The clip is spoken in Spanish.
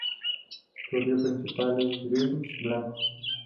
Su río principal es el Drin Blanco.